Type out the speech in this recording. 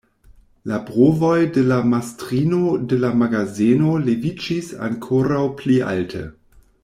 La brovoj de la mastrino de la magazeno leviĝis ankoraŭ pli alte.